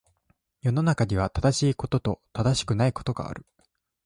世の中には、正しいことと正しくないことがある。